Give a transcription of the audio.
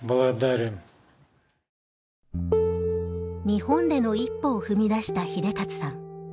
日本での一歩を踏み出した英捷さん。